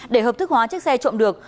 để hợp thức hóa chiếc xe trộm được